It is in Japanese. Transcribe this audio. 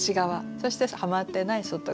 そしてはまってない外側。